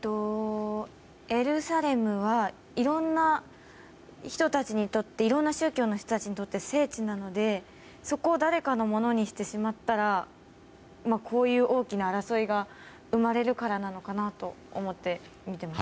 エルサレムはいろんな宗教の人たちにとって聖地なのでそこを誰かのものにしてしまったらこういう大きな争いが生まれるからかなと思います。